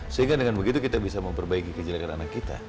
sehingga dengan begitu kita bisa memperbaiki kejelekan anak kita